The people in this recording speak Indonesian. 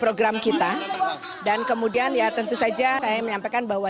program kita dan kemudian ya tentu saja saya menyampaikan bahwa